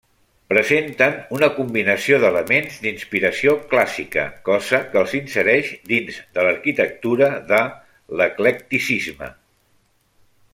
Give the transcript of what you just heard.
Presenten una combinació d'elements d'inspiració clàssica, cosa que els insereix dins de l'arquitectura de l'eclecticisme.